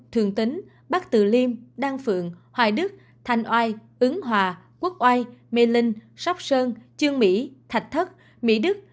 thường tính bắc tử liêm đăng phượng hoài đức thành oai ứng hòa quốc oai mê linh sóc sơn chương mỹ thạch thất mỹ đức